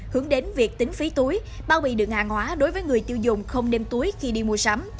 hướng đến việc tính phí túi bao bì đựng hàng hóa đối với người tiêu dùng không đem túi khi đi mua sắm